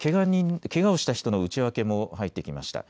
けがをした人の内訳も入ってきました。